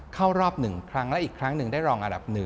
เข้ารอบ๑ครั้งและอีกครั้งหนึ่งได้รองอันดับ๑